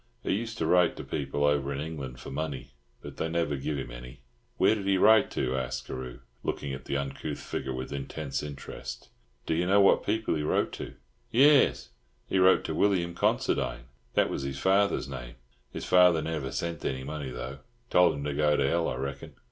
He used to write to people over in England for money, but they never giv him any." "Where did he write to?" asked Carew, looking at the uncouth figure with intense interest. "Do you know what people he wrote to?" "Yairs. He wrote to William Considine. That was his father's name. His father never sent any money, though. Told him to go to hell, I reckon."